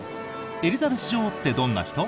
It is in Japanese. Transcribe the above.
エリザベス女王ってどんな人？